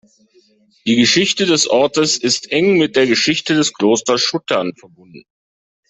Die Geschichte des Ortes ist eng mit der Geschichte des Klosters Schuttern verbunden.